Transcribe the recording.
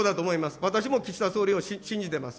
私も岸田総理を信じてます。